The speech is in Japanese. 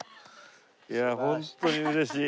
いやホントに嬉しい。